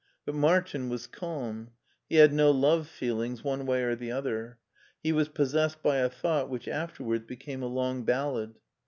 But Mar tin was calm ; he had no love feelings one way or the other; he was possessed by a thought which after wards became a long ballade.